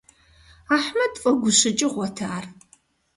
Ахьмэд фӀэгущыкӀыгъуэт ар.